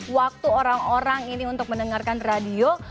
waktu orang orang ini untuk mendengarkan radio